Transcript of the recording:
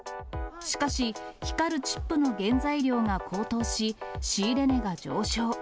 しかし、光るチップの原材料が高騰し、仕入れ値が上昇。